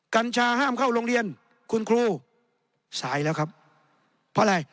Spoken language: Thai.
กัญชาห้ามเข้าโรงเรียนคุณครูสายแล้วครับเพราะอะไร